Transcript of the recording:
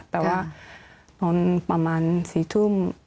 แต่ว่าตอนประมาณ๔ทุ่ม